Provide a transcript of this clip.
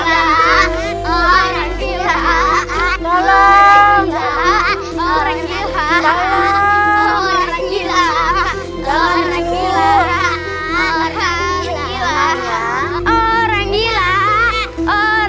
kasian sekali nenek nenek itu